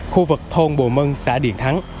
khu vực thôn bồ mân xã điển thắng